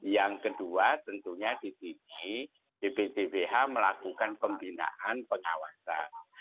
yang kedua tentunya di sini bpdbh melakukan pembinaan pengawasan